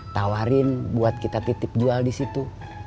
tawarin buat kita titip jual di situ